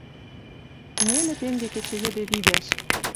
«Нелӹ тенге кечӹ йӹде видӓш.